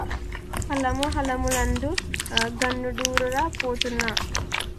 కలము హలములందు ఘనుండురా Pothanna